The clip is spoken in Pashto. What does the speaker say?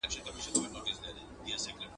د سیاست پر علمي کيدو ژور بحثونه وکړئ.